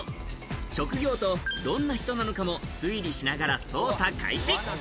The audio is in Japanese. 職業とどんな人なのかも推理しながら捜査開始。